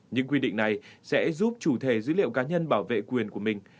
những quy định này sẽ giúp chủ thể dữ liệu cá nhân bảo vệ quyền của mình